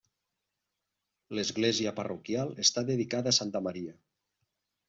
L'església parroquial està dedicada a Santa Maria.